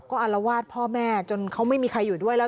อารวาสพ่อแม่จนเขาไม่มีใครอยู่ด้วยแล้ว